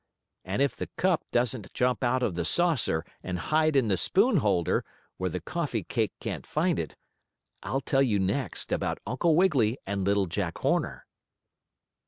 And if the cup doesn't jump out of the saucer and hide in the spoonholder, where the coffee cake can't find it, I'll tell you next about Uncle Wiggily and little Jack Horner.